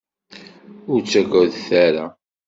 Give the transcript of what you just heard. Ur ttagadet ara.